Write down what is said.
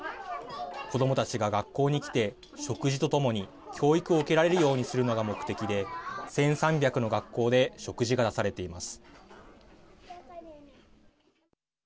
子どもたちが学校に来て食事とともに教育を受けられるようにするのが目的で１３００の学校で食事が出されています。